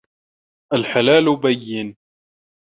الْحَلَالُ بَيِّنٌ